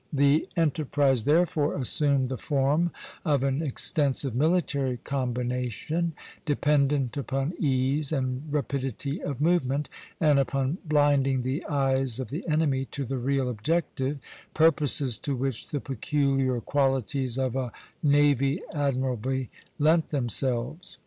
The enterprise therefore assumed the form of an extensive military combination, dependent upon ease and rapidity of movement, and upon blinding the eyes of the enemy to the real objective, purposes to which the peculiar qualities of a navy admirably lent themselves.